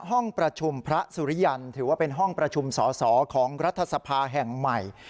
ห้องประชุมพระสุริยันถือว่าเป็นห้องประชุมสอสอของรัฐสภาแห่งใหม่